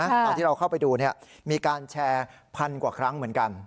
ตอนที่เราเข้าไปดูมีการแชร์พันกว่าครั้งเหมือนกัน